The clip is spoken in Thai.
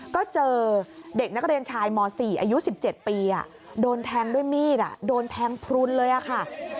ก็เจอเด็กนักเรียนชายม๔อายุ๑๗ปีโดนแทงด้วยมีดโดนแทงพลุนเลยค่ะ